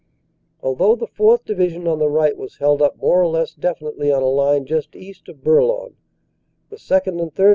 Alhough the 4th. Division on the right was held up more or less definitely on a line just east of Bourlon, the 2nd. and 3rd.